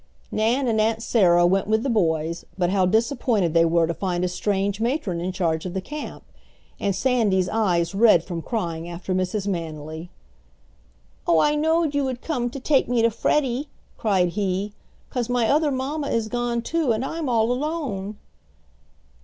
Nan and Aunt Sarah went with the boys, but how disappointed they were to find a strange matron in charge of the camp, and Sandy's eyes red from crying after Mrs. Manily. "Oh, I knowed you would come to take me to Freddie," cried he, "'cause my other mamma is gone too, and I'm all alone."